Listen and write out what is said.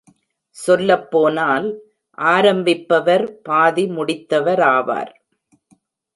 சொல்லப்போனால் ஆரம்பிப்பவர் பாதி முடித்தவராவார்.